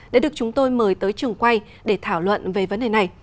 đã được chúng tôi mời tới trường quay để thảo luận về vấn đề này